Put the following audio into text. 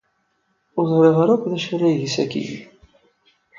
Ur ẓriɣ akk d acu ara yeg sakkin.